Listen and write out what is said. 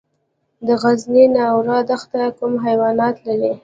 د غزني ناور دښته کوم حیوانات لري؟